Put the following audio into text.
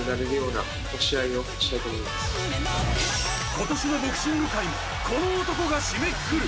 今年のボクシング界もこの男が締めくくる